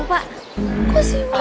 udah ketemu pak